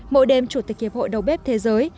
mỗi đêm chủ tịch hiệp hội đầu bếp thế giới